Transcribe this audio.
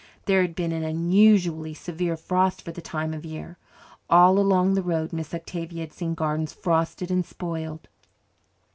There had been an unusually severe frost for the time of year. All along the road Miss Octavia had seen gardens frosted and spoiled.